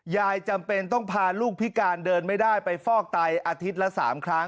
จำเป็นต้องพาลูกพิการเดินไม่ได้ไปฟอกไตอาทิตย์ละ๓ครั้ง